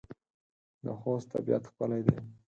د خوست طبيعت ښکلی دی.